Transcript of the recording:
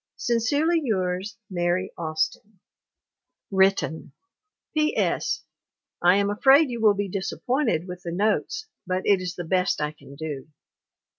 Sincerely yours MARY AUSTIN. [Written] P. S. I am afraid you will be disappointed with the notes but it is the best I can do.